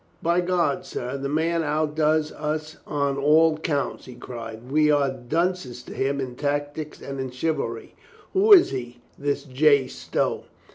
"By God, sir, the man outdoes us on all counts!" he cried. "We are dunces to him in tactics and in chivalry. Who is he, this J. Stow?"